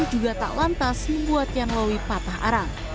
juga tak lantas membuat yanlowi patah arang